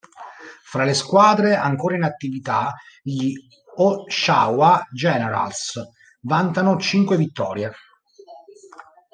Fra le squadre ancora in attività gli Oshawa Generals vantano cinque vittorie.